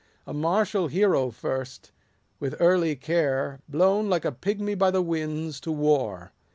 A martial hero first, with early care, Blown, like a pigmy by the winds, to war.